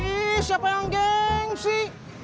ih siapa yang gengsi